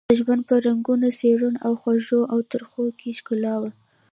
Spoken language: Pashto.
د ژوند په رنګونو، څېرو او خوږو او ترخو کې ښکلا وه.